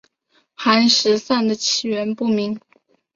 寒食散的起源不明。